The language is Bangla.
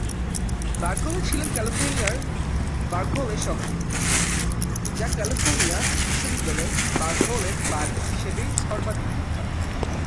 বার্কলে ছিলেন ক্যালিফোর্নিয়ার বার্কলে শহরের, যা ক্যালিফোর্নিয়া বিশ্ববিদ্যালয়ের বার্কলে-র বাড়ি হিসাবে সর্বাধিক বিখ্যাত।